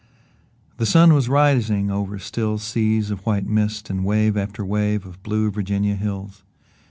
The sun was rising over still seas of white mist and wave after wave of blue Virginia hills.